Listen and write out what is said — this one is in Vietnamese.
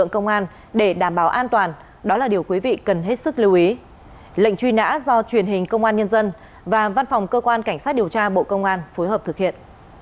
cảnh sát điều tra bộ công an nhân dân và văn phòng cơ quan cảnh sát điều tra bộ công an phối hợp thực hiện